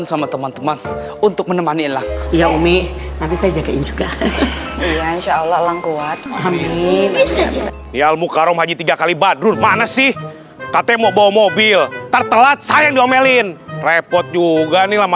sampai jumpa di video selanjutnya